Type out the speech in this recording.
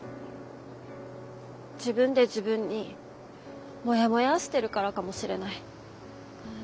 自分で自分にもやもやーしてるからかもしれない。